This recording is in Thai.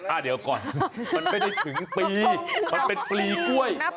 อ่ะเดี๋ยวก่อนมันไม่ได้ถึงปีมันเป็นปลีกล้วย